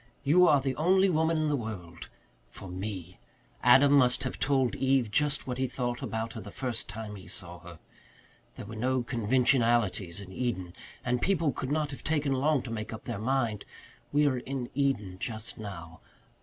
"You are the only woman in the world for me. Adam must have told Eve just what he thought about her the first time he saw her. There were no conventionalities in Eden and people could not have taken long to make up their minds. We are in Eden just now.